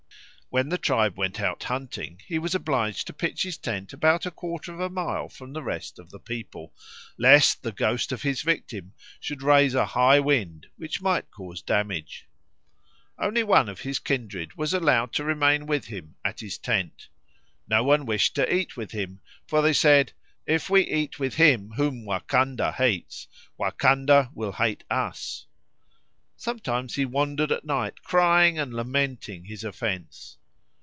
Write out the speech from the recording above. When the tribe went out hunting, he was obliged to pitch his tent about a quarter of mile from the rest of the people "lest the ghost of his victim should raise a high wind, which might cause damage." Only one of his kindred was allowed to remain with him at his tent. No one wished to eat with him, for they said, "If we eat with him whom Wakanda hates, Wakanda will hate us." Sometimes he wandered at night crying and lamenting his offence.